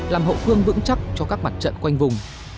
làm hậu phương vững chắc cho các mặt trận quanh vùng